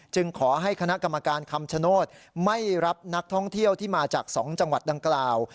ขอให้คณะกรรมการคำชโนธไม่รับนักท่องเที่ยวที่มาจาก๒จังหวัดดังกล่าว